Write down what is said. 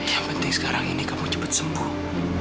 yang penting sekarang ini kamu cepat sembuh